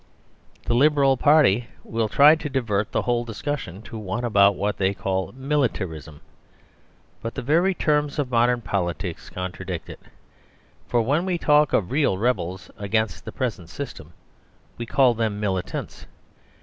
The Liberal Party will try to divert the whole discussion to one about what they call militarism. But the very terms of modern politics contradict it. For when we talk of real rebels against the present system we call them Militants.